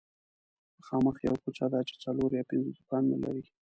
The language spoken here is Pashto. مخامخ یوه کوڅه ده چې څلور یا پنځه دوکانونه لري